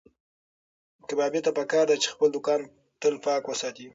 کبابي ته پکار ده چې خپل دوکان تل پاک وساتي.